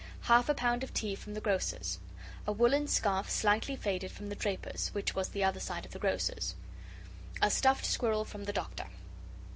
Half a pound of tea from the grocer's. A woollen scarf slightly faded from the draper's, which was the other side of the grocer's. A stuffed squirrel from the Doctor.